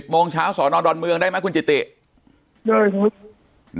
โมงเช้าสอนอดอนเมืองได้ไหมคุณจิติได้ครับ